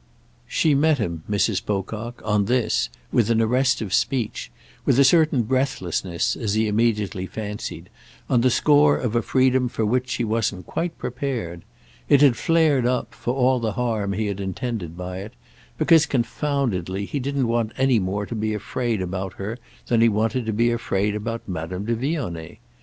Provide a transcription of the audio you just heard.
She met him, Mrs. Pocock, on this, with an arrest of speech—with a certain breathlessness, as he immediately fancied, on the score of a freedom for which she wasn't quite prepared. It had flared up—for all the harm he had intended by it—because, confoundedly, he didn't want any more to be afraid about her than he wanted to be afraid about Madame de Vionnet.